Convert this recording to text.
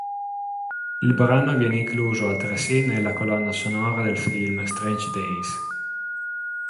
Il brano viene incluso altresì nella colonna sonora del film "Strange Days".